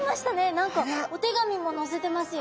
何かお手紙ものせてますよ。